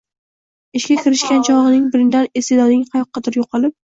Ishga kirishgan chogʻing birdan isteʼdoding qayoqqadir yoʻqolib